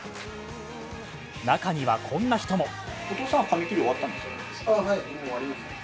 中には、こんな人も。